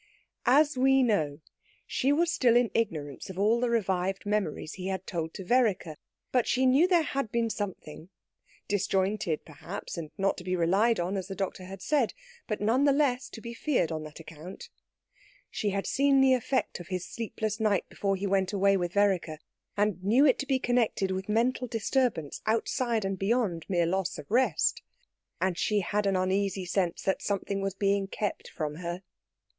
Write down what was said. As we know, she was still in ignorance of all the revived memories he had told to Vereker; but she knew there had been something disjointed, perhaps, and not to be relied on, as the doctor had said, but none the less to be feared on that account. She had seen the effect of his sleepless night before he went away with Vereker, and knew it to be connected with mental disturbance outside and beyond mere loss of rest; and she had an uneasy sense that something was being kept from her.